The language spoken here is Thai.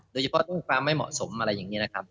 โดยเฉพาะตู้ความไม่เหมาะสมอะไรอย่างนี้นะครับ